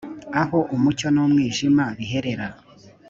aho umucyo n umwijima biherera